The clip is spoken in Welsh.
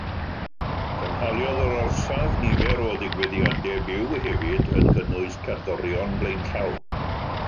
Cynhaliodd yr orsaf nifer o ddigwyddiadau byw hefyd, yn cynnwys cerddorion blaenllaw.